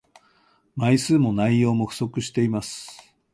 枚数も内容も不足しています